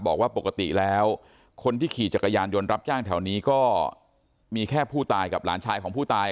บอกว่าปกติแล้วคนที่ขี่จักรยานยนต์รับจ้างแถวนี้ก็มีแค่ผู้ตายกับหลานชายของผู้ตาย